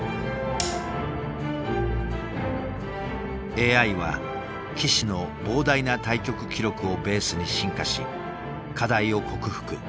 ＡＩは棋士の膨大な対局記録をベースに進化し課題を克服。